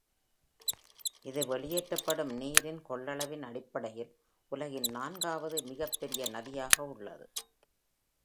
இது வெளியேற்றப்படும் நீரின் கொள்ளவின் அடிப்படையில் உலகின் நான்காவது மிகப்பெரிய நதியாக உள்ளது.